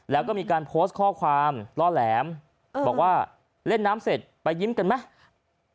แล้วก็มีการโพสต์ข้อความล่อแหลมบอกว่าเล่นน้ำเสร็จไปยิ้มกันไหม